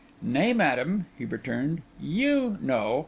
'Nay, madam,' he returned, 'you know.